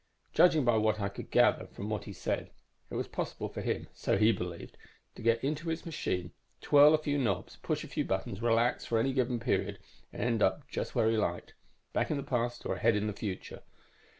Judging by what I could gather from what he said, it was possible for him so he believed to get into his machine, twirl a few knobs, push a few buttons, relax for any given period, and end up just where he liked back in the past, or ahead in the future.